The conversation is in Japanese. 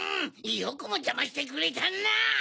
よくもジャマしてくれたな！